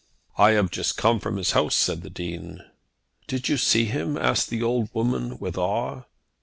"I have just come from the house," said the Dean. "Did you see him?" asked the old woman with awe.